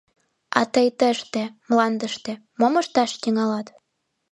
— А тый тыште, Мландыште, мом ышташ тӱҥалат?